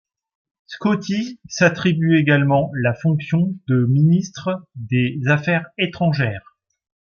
Scotty s'attribue également la fonction de ministre des Affaires étrangères.